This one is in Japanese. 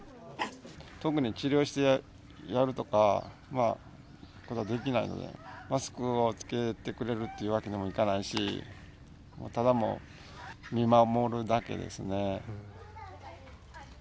特に治療してやるとかできないので、マスクを着けてくれっていうわけにもいかないし、ただもう、見守るだけですね。